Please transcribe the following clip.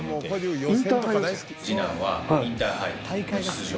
次男はインターハイの出場